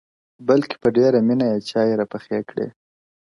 بلکي په ډېره مینه یې چای راپخې کړې